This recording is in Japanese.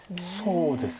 そうですね。